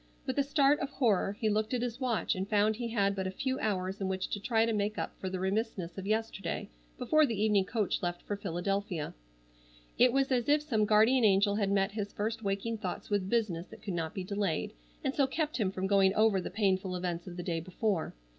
With a start of horror he looked at his watch and found he had but a few hours in which to try to make up for the remissness of yesterday before the evening coach left for Philadelphia. It was as if some guardian angel had met his first waking thoughts with business that could not be delayed and so kept him from going over the painful events of the day before.